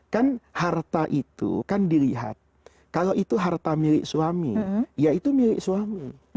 kan harta itu kan dilihat kalau itu harta milik suami ya itu milik suami